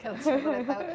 kalau sudah boleh tahu